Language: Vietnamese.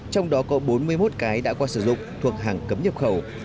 trong đó có bốn mươi một cái đã qua sử dụng thuộc hàng cấm nhập khẩu